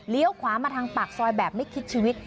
ขวามาทางปากซอยแบบไม่คิดชีวิต